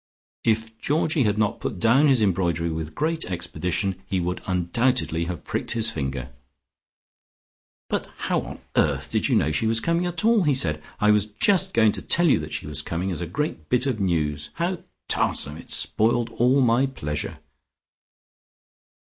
If Georgie had not put down his embroidery with great expedition, he would undoubtedly have pricked his finger. "But how on earth did you know she was coming at all?" he said. "I was just going to tell you that she was coming, as a great bit of news. How tarsome! It's spoiled all my pleasure."